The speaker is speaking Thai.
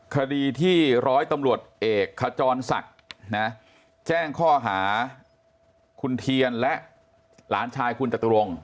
คดีที่ร้อยตำรวจเอกขจรศักดิ์แจ้งข้อหาคุณเทียนและหลานชายคุณจตุรงค